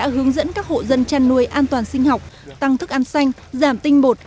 hướng dẫn các hộ dân chăn nuôi an toàn sinh học tăng thức ăn xanh giảm tinh bột